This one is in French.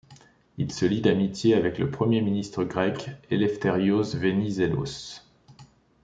Il se lie d'amitié avec le premier ministre grec Elefthérios Venizélos.